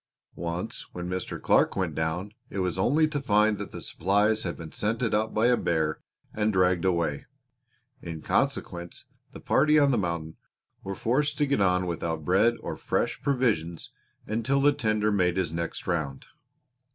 Once when Mr. Clark went down it was only to find that the supplies had been scented out by a bear and dragged away; in consequence the party on the mountain were forced to get on without bread or fresh provisions until the tender made his next round.